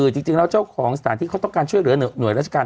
จริงแล้วเจ้าของสถานที่เขาต้องการช่วยเหลือหน่วยราชการ